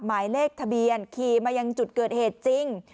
หมายเลขทะเบียนขี่มายังจุดเกิดเหตุจริง